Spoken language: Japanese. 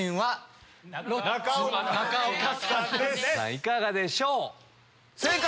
いかがでしょう？